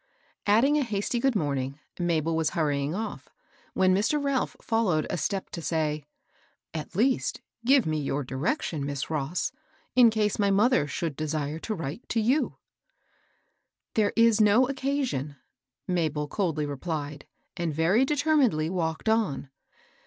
Adding a hasty good morning, Mabel was hur rying ofi^, when Mr. Ralph followed a step to say,— " At least, give me your direction. Miss Ross, ^ case my mother should desire to write to ytm." WILL YOU WALK INTO MY PARLOR ? 821 " There is no occasion," Mabel coldly replied, and very determinedly walked on.